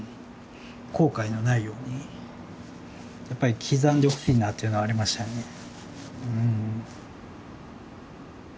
後悔のないようにやっぱり刻んでほしいなっていうのはありましたよね。